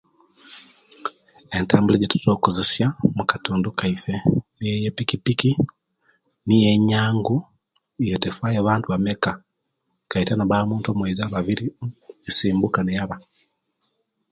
Entambula ejetutera okukozesia mukatundu kaife niyo eye pikipiki niyo enyaangu iyo tefayo bantu bameka kaita nobbawo omuntu omoiza babiri ummm esimbuka neyaba